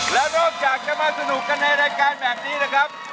แล้วนอกจากจะมาสนุกกันในรายการแบบนี้นะครับ